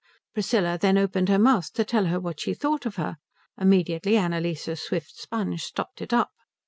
Priscilla then opened her mouth to tell her what she thought of her. Immediately Annalise's swift sponge stopped it up.